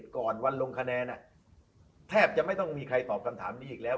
ก่อนวันลงคะแนนแทบจะไม่ต้องมีใครตอบคำถามนี้อีกแล้ว